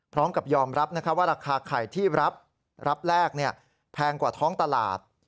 พร้อมกับยอมรับว่าราคาไข่ที่รับแรกแพงกว่าท้องตลาด